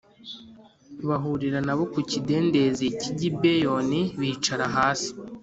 bahurira na bo ku kidendezi cy’i Gibeyoni bicara hasi